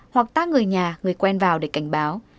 hoặc tác người nhà người quen vào để cảnh báo